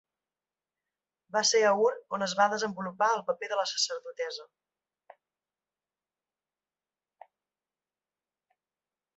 Va ser a Ur on es va desenvolupar el paper de la sacerdotessa.